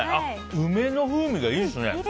梅の風味がいいですね。